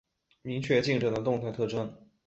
明确进程的动态特性